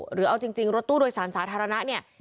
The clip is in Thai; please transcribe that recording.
หรือเอาจริงรถตู้โดยสารสาธารณะเนี่ย